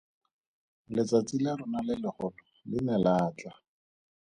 Letsatsi la rona le legolo le ne la tla.